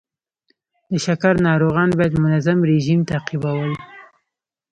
د شکر ناروغان باید منظم رژیم تعقیبول.